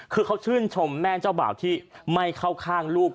คือเขาชื่นชมแม่เจ้าบ่าวที่ไม่เข้าข้างลูก